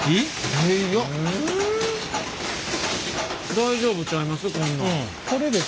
大丈夫ちゃいます？